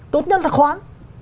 tốt nhất là khoán